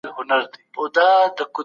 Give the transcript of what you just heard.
کوربه هیواد ګډ بازار نه پریږدي.